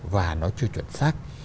và nó chưa chuẩn xác